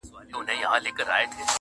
• حقيقت د وخت قرباني کيږي تل,